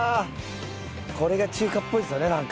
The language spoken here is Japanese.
これが中華っぽいですよねなんかね。